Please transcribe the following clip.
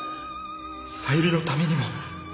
小百合のためにも。